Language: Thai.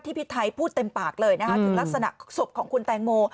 พี่ไทยพูดเต็มปากเลยนะคะถึงลักษณะศพของคุณแตงโม